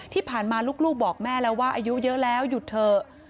ที่ผ่านมาลูกบอกแม่แล้วว่าอายุเยอะแล้วหยุดเถอะ